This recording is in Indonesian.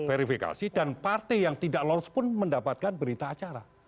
verifikasi dan partai yang tidak lolos pun mendapatkan berita acara